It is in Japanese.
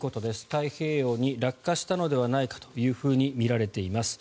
太平洋に落下したのではないかとみられています。